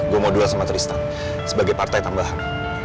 gue mau duel sama tristan sebagai partai tambahan